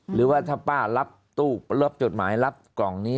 หรือว่าถ้าป้ารับตู้รับจดหมายรับกล่องนี้